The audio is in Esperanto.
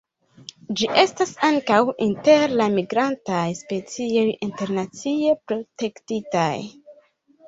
Ĝi estas ankaŭ inter la migrantaj specioj internacie protektitaj.